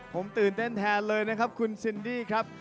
ผมตื่นเต้นแทนเลยนะครับคุณซินดี้ครับ